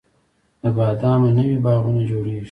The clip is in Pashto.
د بادامو نوي باغونه جوړیږي